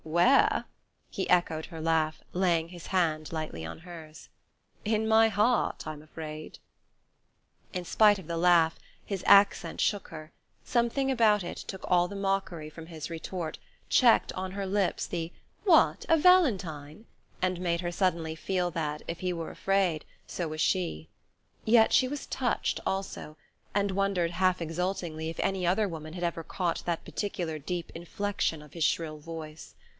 "Where?" He echoed her laugh, laying his hand lightly on hers. "In my heart, I'm afraid." In spite of the laugh his accent shook her: something about it took all the mockery from his retort, checked on her lips the: "What? A valentine!" and made her suddenly feel that, if he were afraid, so was she. Yet she was touched also, and wondered half exultingly if any other woman had ever caught that particular deep inflexion of his shrill voice.